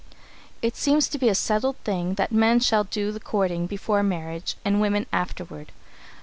It seems to be a settled thing that men shall do the courting before marriage and women afterward.